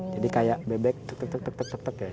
jadi kayak bebek tuk tuk tuk